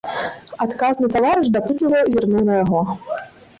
Адказны таварыш дапытліва зірнуў на яго.